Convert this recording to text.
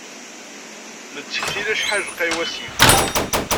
Nettektil acḥal i yelqay wasif.